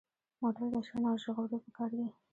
موټر د شر نه ژغورل پکار دي.